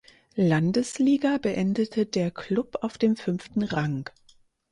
Landesliga beendete der Klub auf dem fünften Rang.